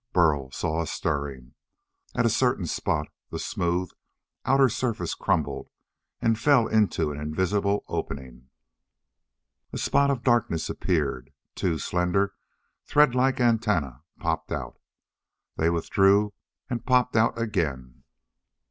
Burl saw a stirring. At a certain spot the smooth, outer surface crumbled and fell into an invisible opening. A spot of darkness appeared. Two slender, thread like antennae popped out. They withdrew and popped out again.